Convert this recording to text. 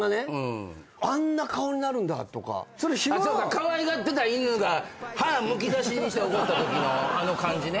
かわいがってた犬が歯むき出しにして怒ったときのあの感じね。